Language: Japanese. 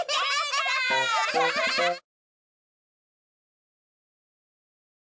アハハハ！